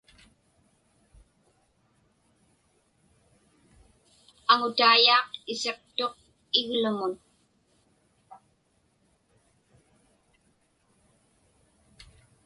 Aŋutaiyaaq isiqtuq iglumun.